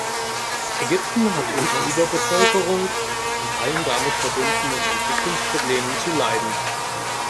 Ägypten hat unter Überbevölkerung und allen damit verbundenen Entwicklungsproblemen zu leiden.